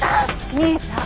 見えた。